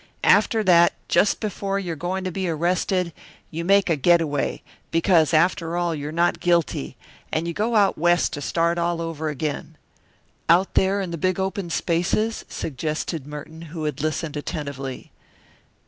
After that, just before you're going to be arrested, you make a getaway because, after all, you're not guilty and you go out West to start all over again " "Out there in the big open spaces?" suggested Merton, who had listened attentively.